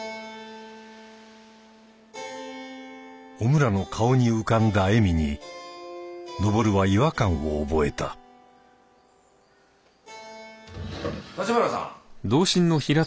おむらの顔に浮かんだ笑みに登は違和感を覚えた立花さん。